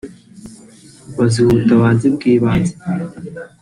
baziha ubutabazi bw’ibanze